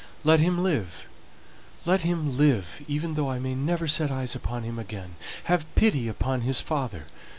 "Let him live, let him live, even though I may never set eyes upon him again. Have pity upon his father!